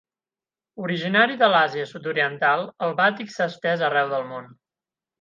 Originari de l'Àsia Sud-oriental, el bàtik s'ha estès arreu del món.